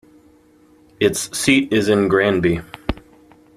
Its seat is Granby.